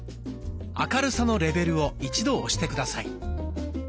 「明るさのレベル」を一度押して下さい。